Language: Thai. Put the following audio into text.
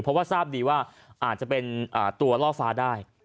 เพราะว่าทราบดีว่าอาจจะเป็นตัวล่อฟ้าได้